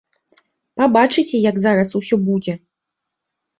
Пабачыце, як зараз усё будзе!